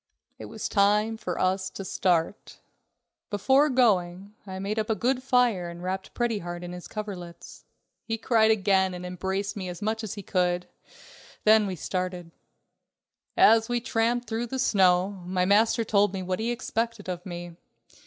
It was time for us to start. Before going, I made up a good fire and wrapped Pretty Heart up in his coverlets. He cried again and embraced me as much as he could, then we started. As we tramped through the snow, my master told me what he expected of me.